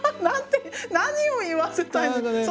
何て何を言わせたいの？